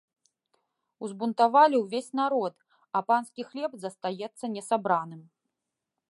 Узбунтавалі ўвесь народ, а панскі хлеб застаецца не сабраным.